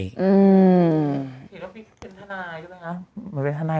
อืมอย่างงี้